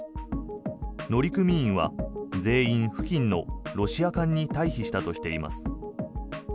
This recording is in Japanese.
乗組員は全員、付近のロシア艦に退避したとしています。